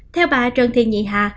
theo bà trần thiên nhị hạ